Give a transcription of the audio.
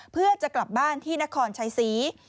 เพื่อจะกลับบ้านที่นครชัยศรี